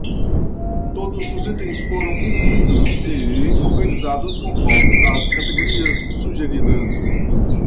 Todos os itens foram incluídos e organizados conforme as categorias sugeridas.